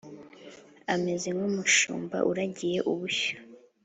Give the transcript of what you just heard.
Ameze nk’umushumba uragiye ubushyo,